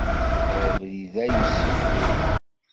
Abrid-a yessufuɣ.